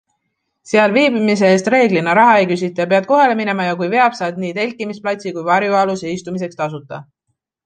Seal viibimise eest reeglina raha ei küsita, pead kohale minema ja kui veab, saad nii telkimisplatsi kui varjualuse istumiseks tasuta.